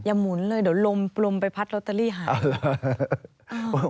หมุนเลยเดี๋ยวลมไปพัดลอตเตอรี่หัก